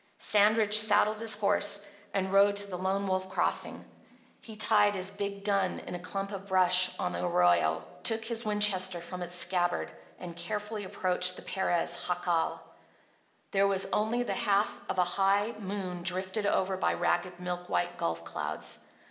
Sandridge saddled his horse and rode to the Lone Wolf Crossing. He tied his big dun in a clump of brush on the arroyo, took his Winchester from its scabbard, and carefully approached the Perez jacal. There was only the half of a high moon drifted over by ragged, milk white gulf clouds.